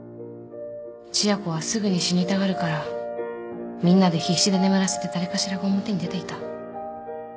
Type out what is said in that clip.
千夜子はすぐに死にたがるからみんなで必死で眠らせて誰かしらが表に出ていた。